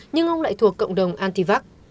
nhưng ông lại thuộc cộng đồng antivac